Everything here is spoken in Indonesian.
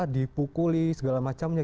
dipukuli segala macamnya